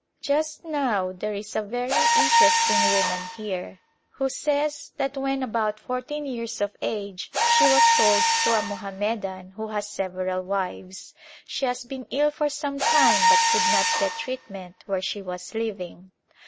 Just now there is a very interesting woman here, who says that when about fourteen years of age she was sold to a Mohammedan who has several wives. She has been ill for some time but could not get treatment where she was living.